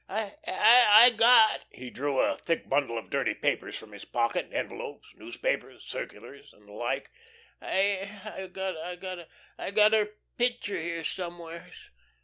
I I got" he drew a thick bundle of dirty papers from his pocket, envelopes, newspapers, circulars, and the like "I I I got, I got her picture here somewheres."